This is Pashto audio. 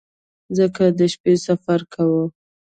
ځکه د شپې سفر کاوه.